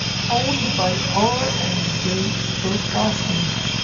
Owned by R and J Broadcasting.